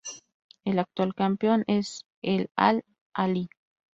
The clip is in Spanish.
El actual campeón es el Al-Ahli.